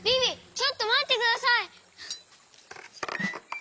ちょっとまってください！